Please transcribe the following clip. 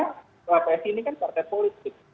karena ks ini kan partai politik